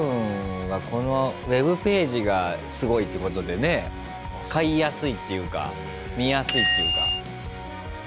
ＺＯＺＯＴＯＷＮはこのウェブページがすごいってことでね買いやすいっていうか見やすいっていうか。